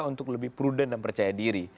untuk lebih prudent dan percaya diri